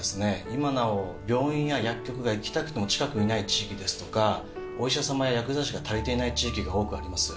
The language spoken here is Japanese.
今なお病院や薬局が行きたくても近くにない地域ですとかお医者様や薬剤師が足りていない地域が多くあります。